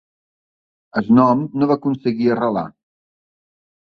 El nom no va aconseguir arrelar.